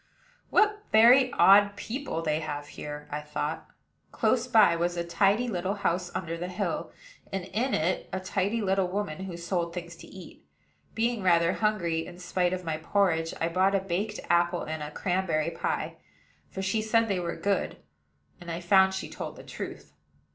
"What very odd people they have here!" I thought. Close by was a tidy little house under the hill, and in it a tidy little woman who sold things to eat. Being rather hungry, in spite of my porridge, I bought a baked apple and a cranberry pie; for she said they were good, and I found she told the truth.